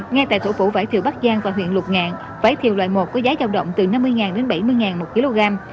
ngay tại thủ phủ vải thiều bắc giang và huyện lục ngạn vải thiều loại một có giá giao động từ năm mươi đến bảy mươi đồng một kg